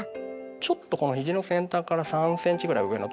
ちょっとこの肘の先端から３ｃｍぐらい上のとこで。